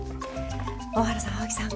大原さん青木さん